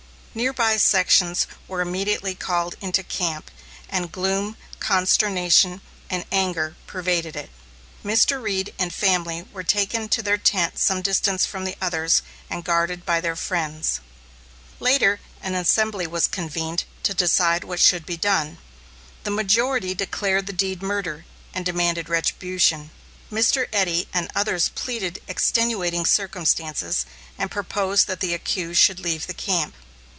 Near by sections were immediately called into camp, and gloom, consternation, and anger pervaded it. Mr. Reed and family were taken to their tent some distance from the others and guarded by their friends. Later, an assembly was convened to decide what should be done. The majority declared the deed murder, and demanded retribution. Mr. Eddy and others pleaded extenuating circumstances and proposed that the accused should leave the camp.